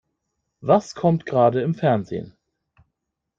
Was kommt gerade im Fernsehen?